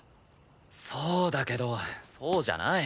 そうだけどそうじゃない。